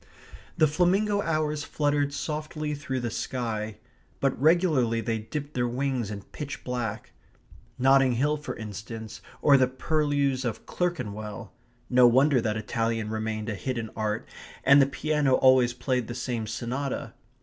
The flamingo hours fluttered softly through the sky. But regularly they dipped their wings in pitch black; Notting Hill, for instance, or the purlieus of Clerkenwell. No wonder that Italian remained a hidden art, and the piano always played the same sonata.